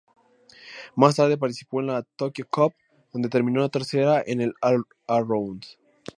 Más tarde participó en la "Tokyo Cup" donde terminó tercera en el all-around.